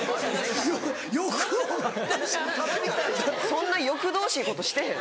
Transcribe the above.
そんな欲どうしいことしてへん。